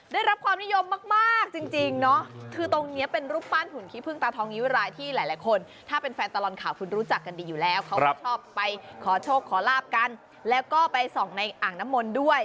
ได้รับความนิยมมากจริงเนาะคือตรงนี้เป็นรูปปั้นหุ่นขี้พึ่งตาทองนิ้วรายที่หลายคนถ้าเป็นแฟนตลอดข่าวคุณรู้จักกันดีอยู่แล้วเขาก็ชอบไปขอโชคขอลาบกันแล้วก็ไปส่องในอ่างน้ำมนต์ด้วย